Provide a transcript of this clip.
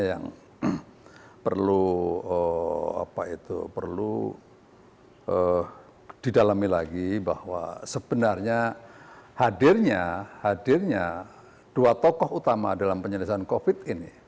yang perlu didalami lagi bahwa sebenarnya hadirnya dua tokoh utama dalam penyelesaian covid ini